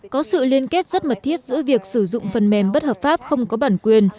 có sự liên kết rất mật thiết giữa việc sử dụng phần mềm bất hợp pháp không có bản quyền